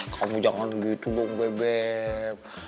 kamu jangan gitu dong beb